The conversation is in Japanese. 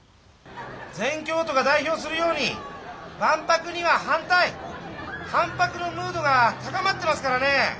全共闘が代表するように万博には反対反博のムードが高まってますからね。